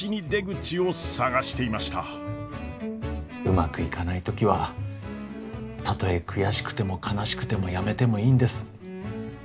うまくいかない時はたとえ悔しくても悲しくてもやめてもいいんです。